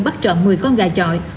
bắt trộm một mươi con gà chọi